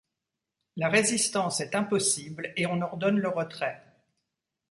La résistance est impossible et on ordonne le retrait.